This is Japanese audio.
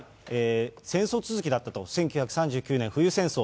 戦争続きだったと、１９３９年、冬戦争。